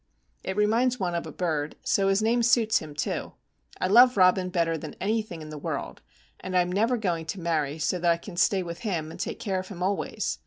It reminds one of a bird, so his name suits him, too. I love Robin better than anything in the world; and I am never going to marry, so that I can stay with him and take care of him always.